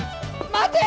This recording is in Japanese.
待て！